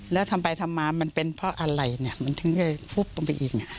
แล้วทำไปทำมามันเป็นเพราะอะไรมันถึงจะปุ๊บออกไปอีก